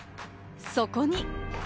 そこに。